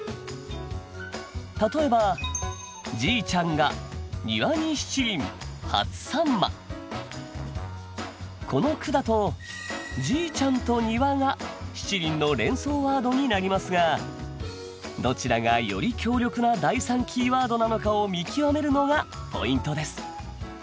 例えばこの句だと「じいちゃん」と「庭」が「七輪」の連想ワードになりますがどちらがより強力な第３キーワードなのかを見極めるのがポイントです。